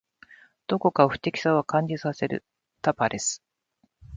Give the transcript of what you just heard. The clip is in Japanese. どこか不敵さを感じさせるタパレス。彼が規格外に飛躍を続ける井上といかに対峙するかを興味深く見守りたい。